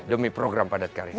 demi program padat karya